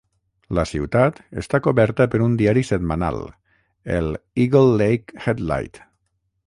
La ciutat està coberta per un diari setmanal, el "Eagle Lake Headlight".